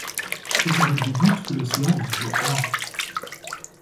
C’est avec des gouttes que l’océan vous broie.